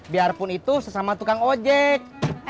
biarpun itu sesama tukang ojek